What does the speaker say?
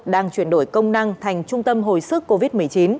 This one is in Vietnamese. đang chuyển đổi công năng thành trung tâm hồi sức covid một mươi chín